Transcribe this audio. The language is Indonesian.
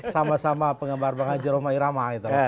sama sama penggemar pengajar rumah irama gitu